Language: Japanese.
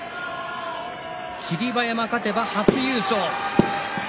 霧馬山、勝てば初優勝。